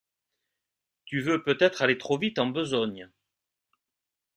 Tu veux peut-être aller trop vite en besogne…